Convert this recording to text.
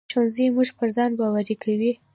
ښوونځی موږ پر ځان باوري کوي